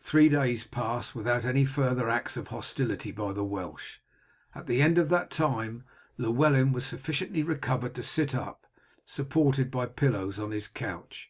Three days passed without any further acts of hostility by the Welsh. At the end of that time Llewellyn was sufficiently recovered to sit up supported by pillows on his couch.